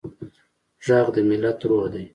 غږ د ملت روح دی